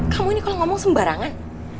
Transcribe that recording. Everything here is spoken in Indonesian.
kamu ini kalau ngomong sembarangan